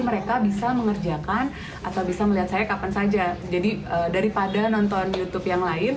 mereka bisa mengerjakan atau bisa melihat saya kapan saja jadi daripada nonton youtube yang lain